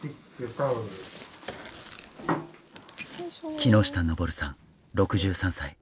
木下登さん６３歳。